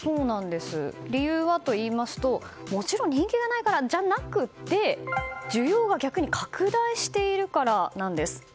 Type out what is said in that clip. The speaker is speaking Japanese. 理由はといいますと、もちろん人気がないからじゃなくて需要が逆に拡大しているからなんです。